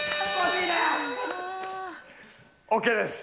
ＯＫです。